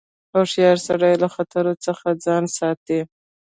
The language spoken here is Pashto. هوښیار سړی له خطر څخه ځان ساتي.